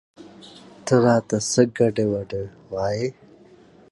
ته راته څه ګډې وګډې وايې؟